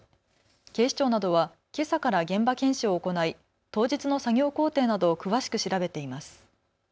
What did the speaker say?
警視庁などはけさから現場検証を行い当日の作業工程などを詳しく調べています。